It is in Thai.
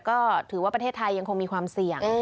ก็ถือว่าประเทศไทยยังคงมีความเสี่ยง